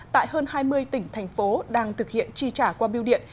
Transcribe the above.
tại hơn hai mươi tỉnh thành phố đang thực hiện chi trả qua biêu điện